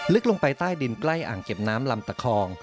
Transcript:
ลงไปใต้ดินใกล้อ่างเก็บน้ำลำตะคอง